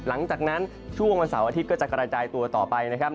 หลังจากนั้นช่วงวันเสาร์อาทิตย์ก็จะกระจายตัวต่อไปนะครับ